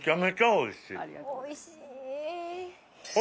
おいしい。